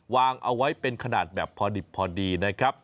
วางเอาไว้เป็นขนาดแบบพอดิบพอดีนะครับ